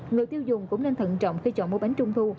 người tiêu dùng cũng nên thận trọng khi chọn mua bánh trung thu